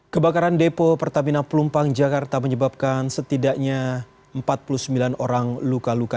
kebakaran depo pertamina pelumpang jakarta menyebabkan setidaknya empat puluh sembilan orang luka luka